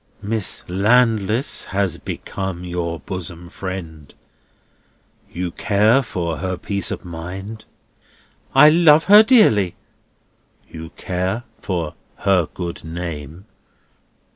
Miss Landless has become your bosom friend. You care for her peace of mind?" "I love her dearly." "You care for her good name?"